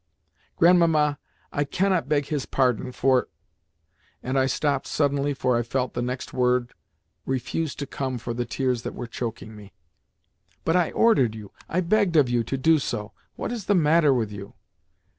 "Grandmamma, I cannot beg his pardon for—" and I stopped suddenly, for I felt the next word refuse to come for the tears that were choking me. "But I ordered you, I begged of you, to do so. What is the matter with you?"